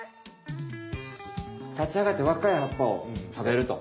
立ちあがってわかい葉っぱを食べると。